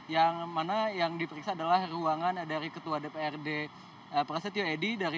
yang mana yang diperiksa adalah ruangan dari ketua dprd prasetyo edy